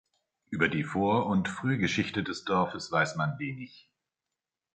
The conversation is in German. Über die Vor- und Frühgeschichte des Dorfes weiß man wenig.